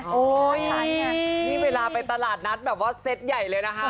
ใช่ไงนี่เวลาไปตลาดนัดแบบว่าเซตใหญ่เลยนะคะ